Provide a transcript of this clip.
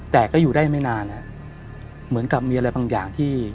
แต่ก็อยู่ได้ไม่นานเหมือนกับมีอะไรบางอย่างที่